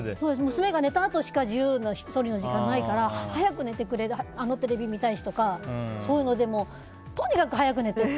娘が寝たあとしか自由な１人の時間がないから早く寝てくれあのテレビ見たいしというのでとにかく早く寝てって。